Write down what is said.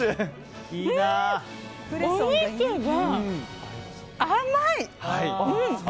お肉が甘い！